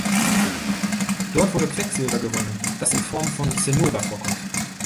Dort wurde Quecksilber gewonnen, das in Form von Zinnober vorkommt.